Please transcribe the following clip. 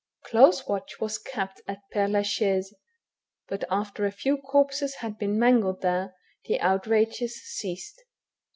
Close watch was kept at P^re la Chaise; but after a few corpses had been mangled there, the outrages ceased.